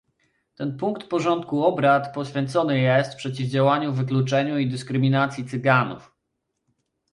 Ten punkt porządku obrad poświęcony jest przeciwdziałaniu wykluczeniu i dyskryminacji Cyganów